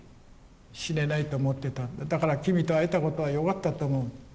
だから君と会えたことはよかったと思う。